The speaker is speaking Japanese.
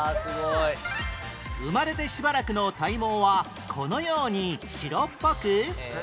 生まれてしばらくの体毛はこのように白っぽく